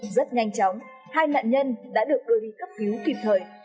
rất nhanh chóng hai nạn nhân đã được gửi cấp cứu kịp thời